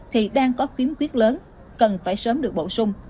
thì đang có kiếm quyết lớn cần phải sớm được bổ sung